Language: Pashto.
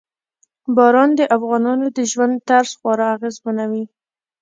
باران د افغانانو د ژوند طرز خورا اغېزمنوي.